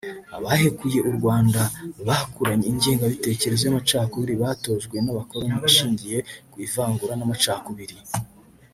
Abahekuye u Rwanda bakuranye ingengabitekerezo y’amacakubiri batojwe n’abakoloni ishingiye ku ivangura n’amacakubiri